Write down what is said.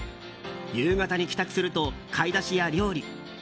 夕方に帰宅すると買い出しや料理。